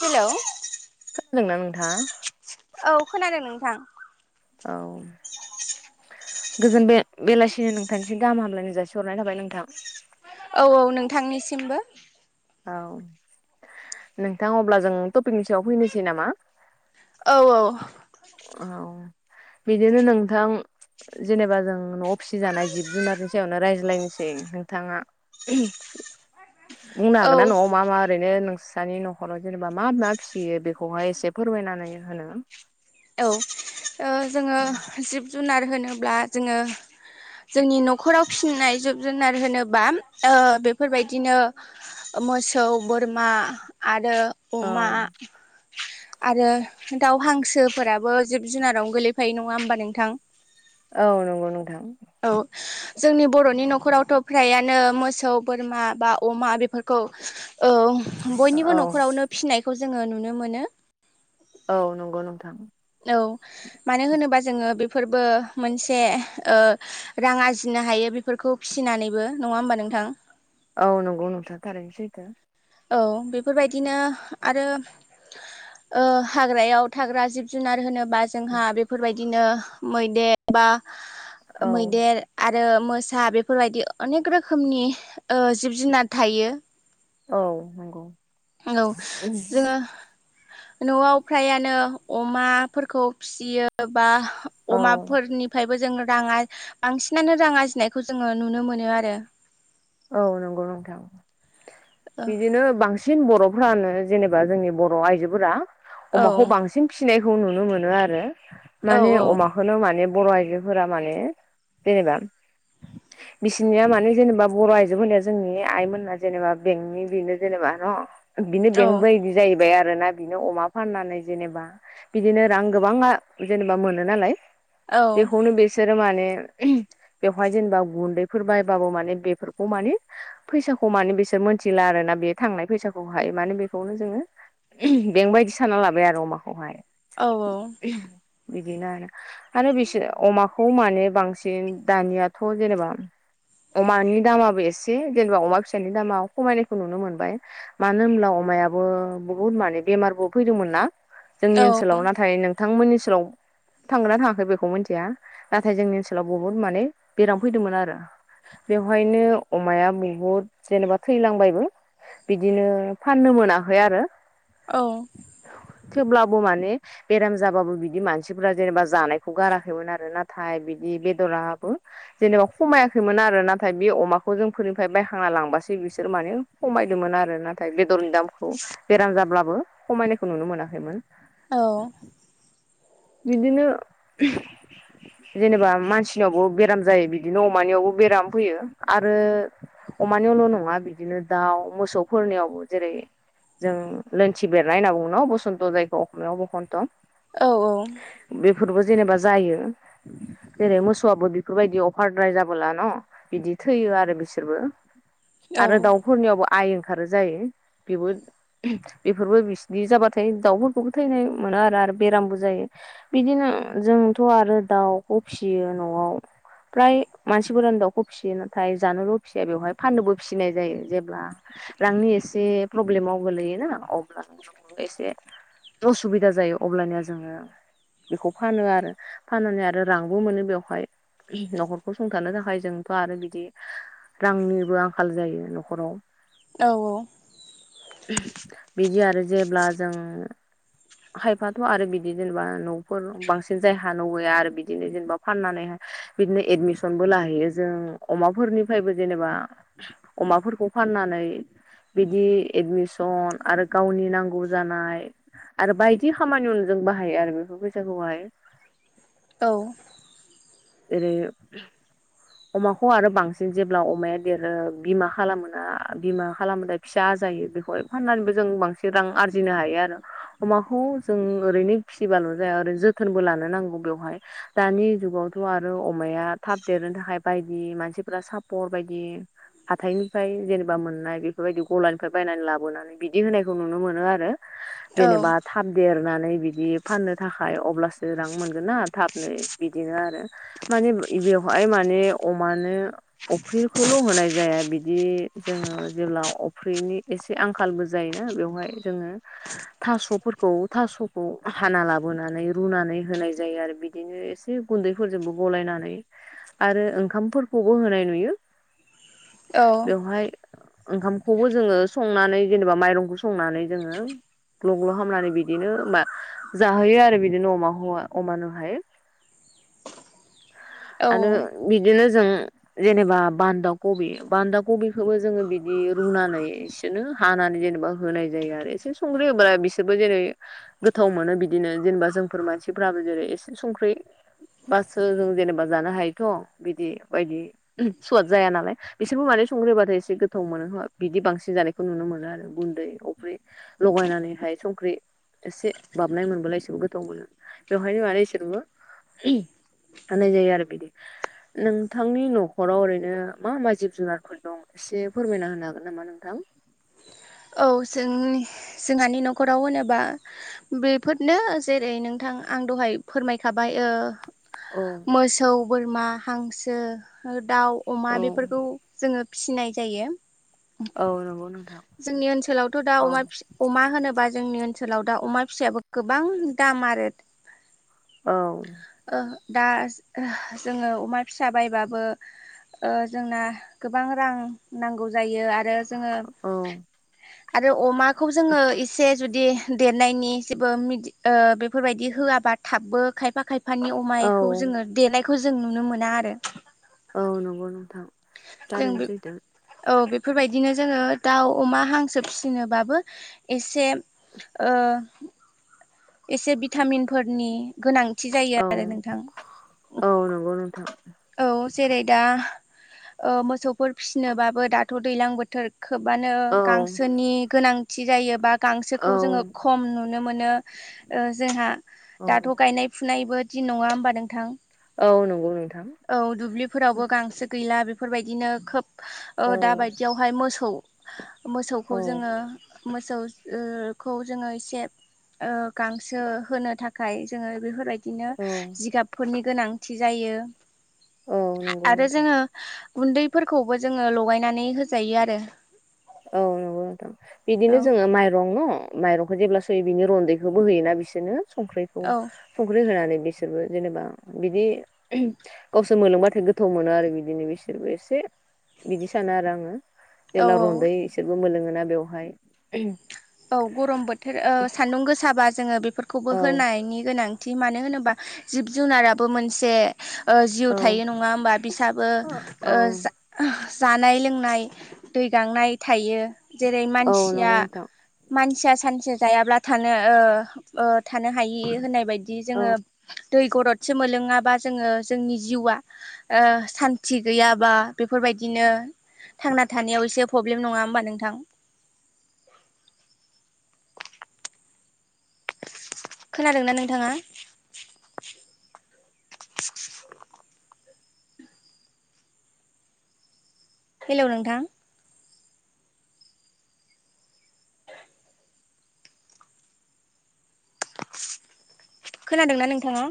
हेल'। ना नोंथां। औ खोनादों नोंथां। औ। गोजोन बे बेलासिनि नोंथांनिसि गाहाम हामलायनाय जासि हरनाय थाबाय नोंथां। औ औ नोंथांनिसिमबो। औ नोंथां अब्ला जों टपिकनि सायाव फैनोसै नामा। औ औ। औ बिदिनो नोंथां। जेनेबा जों न'आव फिसिजानाय जिब जुनारनि सायावनो रायज्लायनोसै नोंथाङा [unintelligible] बुंनो औ हागोन ना न'आव मा मा ओरैनो नोंस्रानि न'खराव जेनेबा मा मा फिसियो बेखौहाय एसे फो फोरबायायनानै होनो। औ ओ जोङो दे जिब जुनार होनोब्ला जोङो जोंनि न'खराव फिसिनाय जिब जुनार होनोबा ओ बेफोरबायदिनो। मोसौ बोरमा आर रो औ अमा आरो दाउ हांसोफोराबो जिब जुनाराव गोलैफायो नङा होनोमबा नोंथां। औ नंगौ नोंथां। औ जोंनि बर'नि न'खरावथ' फ्रायानो मोसौ बोरमा बा अमा बेफोरखौ औ औ बयनिबो न'खरावनो फिसिनायखौ जोङो नुनो मोनो। औ नंगौ नोंथां। औ मानो होनोबा जोङो बे फोरबो मोनसे ओ रां आरजिनो हायो बेफोरखौ फिसिनानैबो नङा होमबा नों नोंथां। औ नंगौ नोंथां थारैनोसैथो। औ बेफोरबायदिनो आरो ओ हाग्रायाव थाग्रा जिब जुनार होनोब बा जोंहा बेफोरबायदिनो मैदेर बा औ मैदेर आरो आरो मोसा बेफोरबायदि अनेक रोखोमनि ओ जिब जुनार थायो। औ नंगौ औ जोङो न'आव फ्रायानो अमाफोरखौ फिसियो बा औ अमाफोरनिफ्राय बोजों राङा बांसिनानो रां आरजिनायखौ जोङो नुनो मोनो आरो। औ नंगौ नोंथां ओ बिदिनो बां सिन बर'फ्रानो जेनेबा जोंनि बर' आइजोफोरा औ अमाखौ बांसिन फिसि सिनायखौ नुनो मोनो आरो माने अमाखौनो माने बर' आइजोफोरा माने जेनेबा बिसिनिया माने जेनेबा बर' आइजोफोरनिया जोंनि आइमोनना जेनेबा बेंकनि बेनो जेनेबा न बिनो बेंक बायदि जाहैबाय आ रोना बिनो अमा फाननानै जेनेबा बिदिनो रां गोबाङा जेनेबा मोनो नालाय। बेखौनो बिसोरो माने बेवहाय जेनेबा गुन्दैफोर बायबाबो माने बे बेफोरखौ माने फैसाखौ माने बिसोर मोनथिला आरो ना बे थांनाय फैसाखौ हायो माने बेखौनो जोङो बेंकबायदि साना लाबाय आरो अमाखौहाय। औ औ। बिदिनो आरो आरो बिसोर अमाखौ माने बांसिन दानियाथ' जेनेबा अमानि [inaudible] दामाबो एसे जेनेबा अमा फिसानि दामा खमायनायखौ नुनो मोनबाय मानो होनब्ला अमायाबो बहुत माने बेमारबो फैदोंमोन ना जोंनि ओनसोलाव नाथाय नोंथांमोननि ओनसोलाव थांगोना थाङाखै बेखौ मिथिया नाथाय जोंनि ओनसोलाव बहुद माने बेराम फैदोंमोन आरो बेवहायनो अमाया बहुद जेनेबा थैलांबायबो बिदिनो फाननो मोनाखै आरो औ थेवब्लाबो माने बेराम जाबाबो बिदि मानसिफोरा जेनेबा जानायखौ गाराखैमोन आरो नाथाय बि बेदराबो जेनेबा खमायाखैमोन आरोो [unintelligible] ना नाथाय बे अमाखौ जोंफोरनिफ्राय बायहांना लांबासो बिसोर माने खमायदोंमोन आरो नाथाय बे बेदरनि दामखौ बेराम जाब्लाबो खमायनायखौ नुनो मोनाखैमोन औ बिदिनो जेनेबा मानसिनियावबो बेराम जायो बिदिनो अमानियावबो बेराम फैयो आरो अमानियावल' नङा बिदिनो दाउ मोसौफोरनियावबो जेरै जों लोनथि बेरनाय होनना बुङो बसन्त जायखौ असमियाव बसन्त बेफोरबो जेनेबा जायो जेरै मोसौआबो बेफोरबायदि अफारद्राय जाबोला न बिदि थैयो आरो बिसोरबो आरो दाउफोरनियावबो आइ ओंखारो जायो बेबो बेफोरबो बिसनि जाबाथाय दाउफोरखौबो थैनाय आरो बेरामबो जायो बिदिनो जोंथ' आरो दाउखौ फिसियो न'आव फ्राय मानसिफोरानो दाउखौ फिसियो नाथाय जानोल' फिसिया बेवहाय फाननोबो फिसिनाय जायो जेब्ला रांनि एसे प्रब्लेमाव गोलैयोना अब्ला नों एसे असुबिदा जायो अबब्लाानया जोङो बेखौ फानो आरो फाननानै आरो रांबो मोनो बेवहाय न'खरखौ सुंथानो थाखाय जोंथ' आरो बिदि रांनिबो आंखाल जायो न'खराव बिदि आर एस [inaudible] जेब्ला जों खायफाथ' आरो बिदि जेनेबा ' [unintelligible] बांसिन जायहा न गैया आरो बिदिनो जेनेबा फाननानै बिदिनो एदमिसनबो लाहैयो जों जों अमाफोरनिफ्रायबो जेनेबा अमाफोरखौ फाननानै बिदि एडमिसन आरो गावनि नांगौ जानाय आरो बायदि खामानियावनो जों बाहायो आरो बेफोर फैसाखौहाय औ। एरै अमाखौ आरो बांसिन जेब्ला अमाया देरो बिमा खालामोा बिमा खालामोथाय फिसा आरो ज ब ज फ [inaudible] जो द जाव [inaudible] थ' आरो अमाया थाब देरनो थाखाय बायदि मानसिफोरा सापर्ट बायदि हाथथायनिफ्राय जेनेबा मोननाय बेफोरबायदि गलानिफ्राय बायनानै लाबोनानै बिदि होनायखौ नुनो मोनो आरो जेनेबा थाब देरनानै बिदि फाननो थाखाय अब्लासो रां मोनगोन ना थाबनो बिदिनो आरो माने बेवहाय माने अमानो अफ्रिखौल' होनाय जाया बिदि जोङो जेब्ला अफ्रिनि एसे आंखालबो जायोना बेवहाय जोङो थास'फोर थास'खौ हा लाबोनानै रु होनाय जायो आरो बिदिनो एसे गुै फोरजोंबो गलायनानै आरो ओंखामफोरखौबो होनाय नुयो। बेवहाय ओंखामखौबो जोङो संनानै जेनेबा माइरंखौ संनानै जोङो ग्ल' ग्ल' हामनानै बिदिनो मा जाहोयो आरो बिदिनो अमाखौ अमानोहाय [inaudible] आरो औ बिदिनो जों जेनेबा बान्दा कबि बान्दा कबिखौबो जोङो बिदि रुनानै इसेनो हानानै जेनेबा होनाय जायो आरो एसे संख्रि होब बिसोरबो जेरै गोथाव मोनो बिदिनो जेनेबा जोंफोर मानसिफ्राबो जेरै एसे संख्रि बासो जों जेनेबा जानो हायोथ' बिदि बायदि सुवाद जाया नालाय बिसोरबो माने सं ख्रि होबाथाय एसे गोथाव मोनो बिदि बांसिन जानायखौ नुनो मोनो आरो गुन्दै अफ्रि लगायनानैहाय संख्रि एसे बाबनाय मोनबोलाय इसोरबो गोथाव मोनो बेवहायनो मान इसोरबो आान जाय आरो आरो बिदि नोंथांनि न'खराव ओरैनो मा मा जिब जुनारफोर दं एसे फोरमायना होनो हागोन नामा नोंथां [inaudible] औ जोंनि जोंहानि न'खराव होनोबा बेफोरनो जेरै नोंथां आं दहाय फोरमायखाबाय ओ औ मोसौ बोरमा हांसो दाउ औ अमा बेफोरखौ जोङो फिनाय जायो। औ नंगौ नोंथां जोंनि ओनसोलावथ' दा औ अमा फि होनोबा जोंनि ओ ओनसोलाव दा अमा फिसायाबो गोबां दाम आरो औ ओ दा जोङो अमा फिसा बायबाबो जोंना गोबां रां नांगौ जायो आरो जोङो औ आरो अमाखौ जोङो एसे जुदि देरनायनि जेबो बेफोरबायदि होआबा थाबबोखाय फा खायफाननि औ अमायखौ जोङो देनायखौ जों नुनो मोना आरो औ नंगौ नोंथां जों बे थारैनोसैथो औ बेफोरबायदिनो जोङो दाउ अमा हांसो फिसिनोबाबो एसे ओ एसे भिटामिनफोरनि गोनां थि जायो औ आरो नोंथां औ नंगौ नोंथां औ जेरै दा मोसौफोर फिसिनोबाबो दाथ' दैज्लां बोथोर खोबानो औ गांसोनि गोनांथि जायोबा औ गांसोखौ जोङो खम नुनो मोनो ओ जोंहा औ दाथ' गायनाय फुनायबो दिन नङा होमबा नोंथां? औ नंगौ नोंथां औ दुब्लिफोरावबो गांसो गैला बे बेफोरबायदिनो खोब औ दाबायदियावहाय मोसौ मोसौखौ जोङो औ मोसौखौ जोङो एसे ओ गांसो होनो थाखाय जोङो बेफोरबायदिनो औ जिगाबफोरनि गोनांथि जायो नंगौ आरो नोंथां जोङो गुन्दैफोरखौबो जोङो लगायनानै होजायो आरो। औ नंगौ नोंथां औ बिदिनो जोङो माइरं न' माइरं जेब्लासय बिनि रन्दैखौबो होयोना बिसोरनो संख्रिखौ औ संख्रि होनानै बिसोर बिसोरबो जेनेबा बिदि गावसोर मोनलोंबाथाय गोथाव मोनो आरो बिदिनो बिसोरबो एसे बिदि सानो आरो आङो। औ औ। बो मोनलोङोना बेवहाय। औ गरम बोथोर ओ सान्दुं गोसाबा जोङो बेफोरखौबो औ होनायनि गोनां थि मानो होनोबा जिब जुनाराबो मोनसे ओ जिउ औ थायो नङा होमबा बिसाबो औ ओ जा जानाय लोंनाय दै गांनाय थायो जेरै औ मानसिया नंगौ नोंथां मानसिया सानसे जायाब्ला थानो ओ ओ थानो हायि होननाय बायदि औ जोङो दै गरदसो मोनलोङाबा जोङो जोंनि जिउआ सान्थि गैयाबा बेफोरबाय दिनो थांना थानायाव एसे प्रब्लेम नङा होमबा नोंथां? [inaudible] खोनादोंना नोंथाङा? हेल' नोंथां? खोनादोंना नोंथाङा?